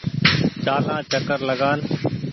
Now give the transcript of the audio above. چآلآن چڪر لگآن ۔